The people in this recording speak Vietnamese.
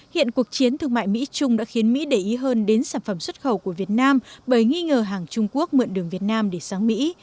hiện cuộc chiến thương mại mỹ trung đã khiến mỹ để ý hơn đến sản phẩm xuất khẩu của việt nam bởi nghi ngờ hàng trung quốc mượn đường việt nam để sang mỹ